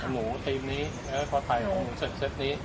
หนูทีมนี้พอถ่ายหนูเสร็จเซ็ตนี้